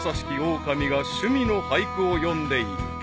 オオカミが趣味の俳句を詠んでいる］